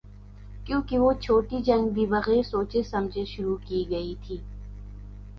کیونکہ وہ چھوٹی جنگ بھی بغیر سوچے سمجھے شروع کی گئی تھی۔